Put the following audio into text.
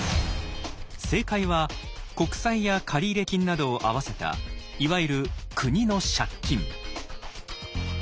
正解は国債や借入金などを合わせたいわゆる国の借金。